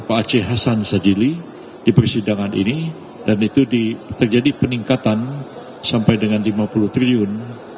pak aceh hasan sajili di persidangan ini dan itu terjadi peningkatan sampai dengan lima puluh triliun